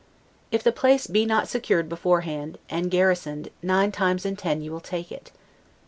If the place be not secured beforehand, and garrisoned, nine times in ten you will take it.